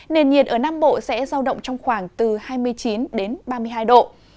nền nhiệt ở nam bộ sẽ giao động trong khoảng từ hai mươi chín ba mươi hai độ